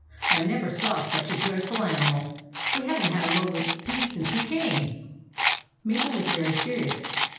I never saw such a dreadful animal. We have n't had a moment's peace since he came !" Mabel was very serious.